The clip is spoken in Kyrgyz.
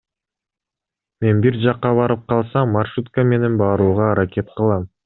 Мен бир жакка барып калсам, маршрутка менен барууга аракет кылам.